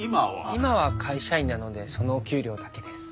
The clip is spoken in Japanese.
今は会社員なのでそのお給料だけです。